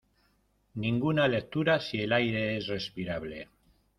Ninguna lectura si el aire es respirable.